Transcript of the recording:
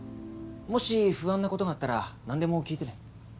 もし不安なことがあったら何でも聞いてね。